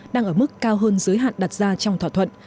đang ở mức cao hơn giới hạn đặt ra trong thỏa thuận